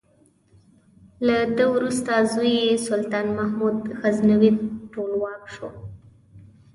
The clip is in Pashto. له ده وروسته زوی یې سلطان محمود غزنوي ټولواک شو.